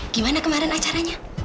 gimana kemarin acaranya